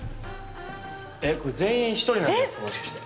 えこれ全員１人なんじゃないですかもしかして。